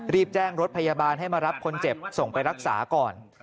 รีบแจ้งรถพยาบาลให้มารับคนเจ็บส่งไปรักษาก่อน